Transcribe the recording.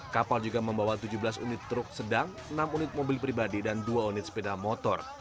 kapal juga membawa tujuh belas unit truk sedang enam unit mobil pribadi dan dua unit sepeda motor